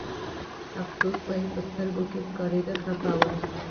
افسوس به یې په سترګو کې ښکارېده خپه و.